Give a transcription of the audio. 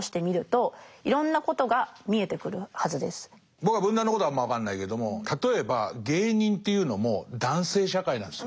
僕は文壇のことはあんま分かんないけども例えば芸人っていうのも男性社会なんですよ。